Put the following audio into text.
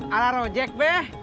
alah rojek be